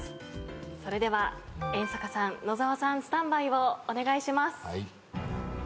それでは遠坂さん野澤さんスタンバイをお願いします。